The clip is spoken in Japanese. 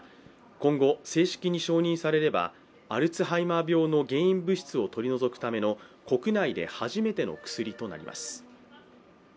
今後、正式に承認されればアルツハイマー病の原因物質を取り除くための国内で初めての薬となります。